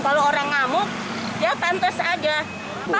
kalau orang ngamuk ya pentas aja